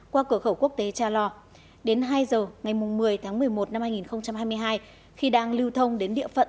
qua cửa khẩu quốc tế cha lo đến hai h ngày một mươi tháng một mươi một năm hai nghìn hai mươi hai khi đang lưu thông đến địa phận